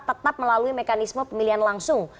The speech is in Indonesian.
tetap melalui mekanisme pemilihan langsung